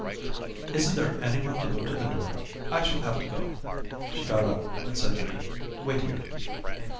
"Isn't there anyone to go to the door? I shall have to go." She got up and said to me, "Wait here."